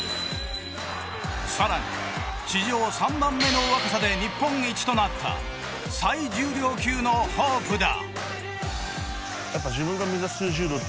さらに、史上３番目の若さで日本一となった最重量級のホープだ。